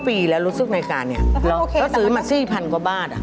๑๕ปีแล้วรู้สึกในการนี่เราต้องซื้อมาสี่พันกว่าบาท